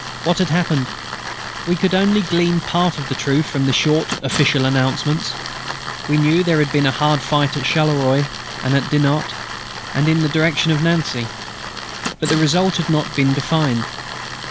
What had happened? We could only glean part of the truth from the short official announcements. We knew there had been hard fighting at Charleroi, at Dinant, and in the direction of Nancy. But the result had not been defined.